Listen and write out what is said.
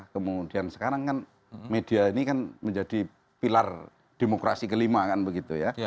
kemudian sekarang kan media ini kan menjadi pilar demokrasi kelima kan begitu ya